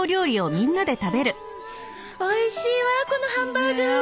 おいしいわこのハンバーグ。